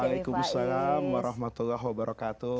waalaikumsalam warahmatullahi wabarakatuh